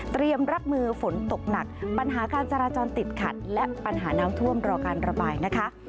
รับมือฝนตกหนักปัญหาการจราจรติดขัดและปัญหาน้ำท่วมรอการระบายนะคะ